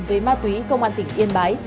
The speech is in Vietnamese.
với ma túy công an tỉnh yên bái